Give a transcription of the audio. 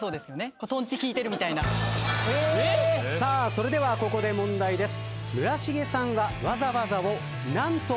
それではここで問題です。